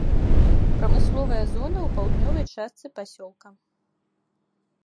Прамысловая зона ў паўднёвай частцы пасёлка.